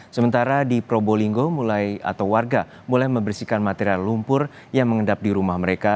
sementara di probolinggo mulai atau warga mulai membersihkan material lumpur yang mengendap di rumah mereka